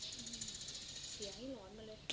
เสียงนี้หลอนมาเลย